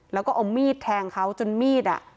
แล้วก็เอามีดแทงเขาจนมีดอ่ะ